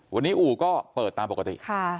วันนี้อู่ก็เปิดตามปกติ